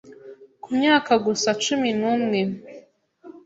Ku myaka gusa cumi numwe,